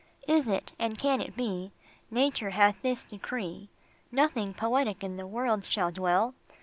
Is it, and can it be, Nature hath this decree, Nothing poetic in the world shall dwell?